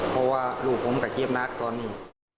เพราะว่าลูกผมกับเจี๊บนักตอนนี้